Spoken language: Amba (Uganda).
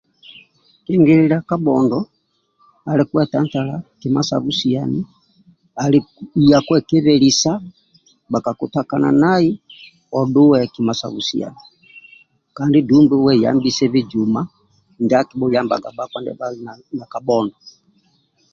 Okuteketaga ghubha lyeli katiko ndyekina nukusumba ka katale